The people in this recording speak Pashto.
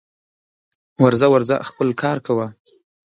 ورځه ورځه خپل کار کوه